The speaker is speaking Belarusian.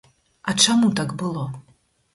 А чаму так было?